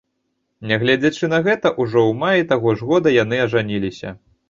Нягледзячы на гэта ўжо ў маі таго ж года яны ажаніліся.